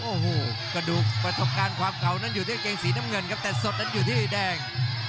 โอ้โหกระดูกประสบการณ์ความเก่านั้นอยู่ที่กางเกงสีน้ำเงินครับแต่สดนั้นอยู่ที่แดง